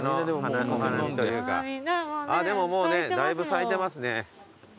でももうねだいぶ咲いてますね。